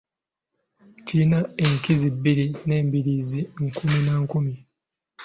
Kirina enkizi bbiri n’embiriizi nkumi na nkumi.